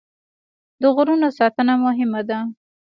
د غرونو ساتنه مهمه ده.